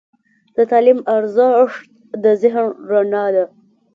د تعلیم ارزښت د ذهن رڼا ده.